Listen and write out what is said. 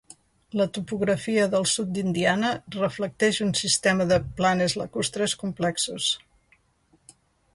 La topografia del sud d'Indiana reflecteix un sistema de planes lacustres complexos.